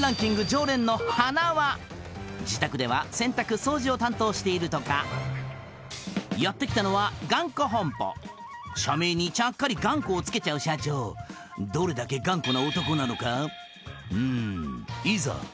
常連のはなわ自宅では洗濯掃除を担当しているとかやって来たのはがんこ本舗社名にちゃっかり「がんこ」をつけちゃう社長どれだけ頑固な男なのかうんいざ